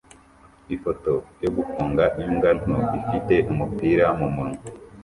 ifoto yo gufunga imbwa nto ifite umupira mumunwa